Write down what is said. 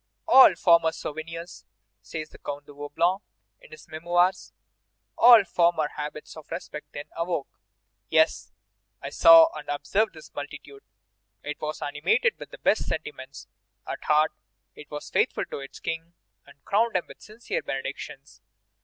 "All former souvenirs," says the Count de Vaublanc in his Memoirs, "all former habits of respect then awoke.... Yes, I saw and observed this multitude; it was animated with the best sentiments; at heart it was faithful to its King and crowned him with sincere benedictions.